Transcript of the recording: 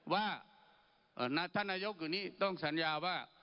ว่าท่านนายกอยู่นี้ต้องสัญญาว่า